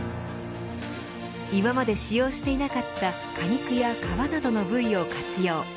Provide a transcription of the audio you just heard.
今まで使用していなかった果肉や皮などの部位を活用。